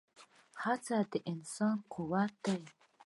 هڅه د انسان قوت دی.